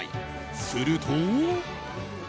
すると。